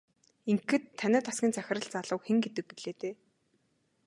Ингэхэд танай тасгийн захирал залууг хэн гэдэг гэлээ дээ?